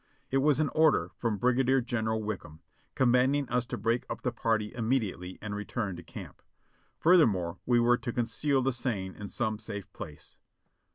It was an order from Brigadier General Wickham, commanding us to break up the party immediately and return to camp. Futhermore, we were to conceal the seine in some safe place.